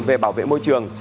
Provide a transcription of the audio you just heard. về bảo vệ môi trường